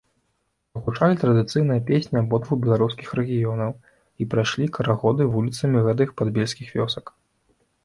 Прагучалі традыцыйныя песні абодвух беларускіх рэгіёнаў, і прайшлі карагоды вуліцамі гэтых падбельскіх вёсак.